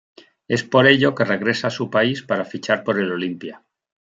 Es por ello que regresa a su país para fichar por el Olimpia.